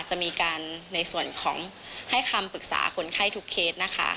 จะมีการในส่วนของให้คำปรึกษาคนไข้ทุกเคสนะคะ